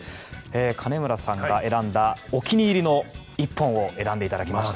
金村さんが選んだお気に入りの１本を選んでいただきました。